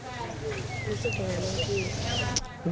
รู้สึกยังไงพี่